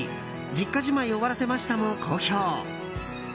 「実家じまい終わらせました！」も好評。